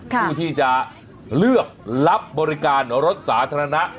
ผู้ที่จะเลือกรับบริการรถสาธารณะ